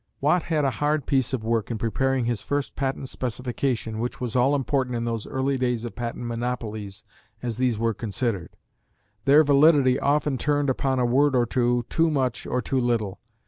Watt had a hard piece of work in preparing his first patent specification, which was all important in those early days of patent "monopolies" as these were considered. Their validity often turned upon a word or two too much or too little.